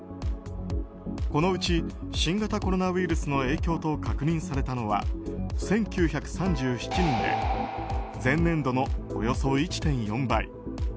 このうち、新型コロナウイルスの影響と確認されたのは１９３７人で前年度のおよそ１．４倍。